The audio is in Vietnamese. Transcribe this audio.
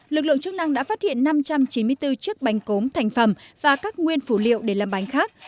lực lượng chức năng đã phát hiện năm trăm chín mươi bốn chiếc bánh cốm thành phẩm và các nguyên phủ liệu để làm bánh khác